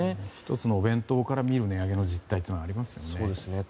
１つのお弁当から見る値上げの実態ってありますよね。